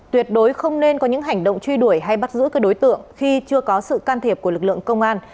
tuyệt đối không nên có những hành động truy đuổi hay bắt giữ các đối tượng khi chưa có sự can thiệp của lực lượng công an